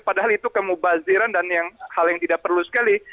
padahal itu kemubaziran dan hal yang tidak perlu sekali